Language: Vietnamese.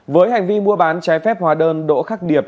với hành vi mua bán trái phép hóa đơn đỗ khắc điệp